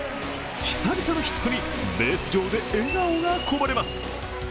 久々のヒットにベース上で笑顔がこぼれます。